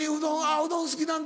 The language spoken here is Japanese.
「うどん好きなんだ」